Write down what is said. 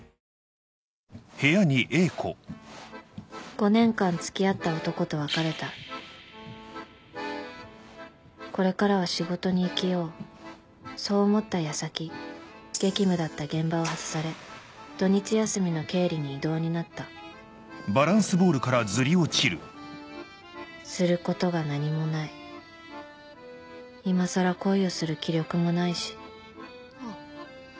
５年間付き合った男と別れたこれからは仕事に生きようそう思った矢先激務だった現場を外され土日休みの経理に異動になったすることが何もない今更恋をする気力もないしあっ。